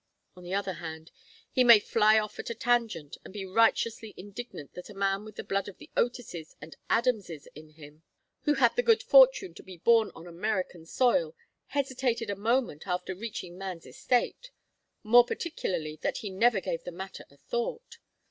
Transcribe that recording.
On the other hand he may fly off at a tangent and be righteously indignant that a man with the blood of the Otises and Adamses in him, who had the good fortune to be born on American soil, hesitated a moment after reaching man's estate more particularly that he never gave the matter a thought.